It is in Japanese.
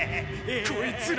こいつら。